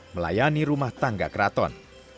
melayani rumah tangga keraton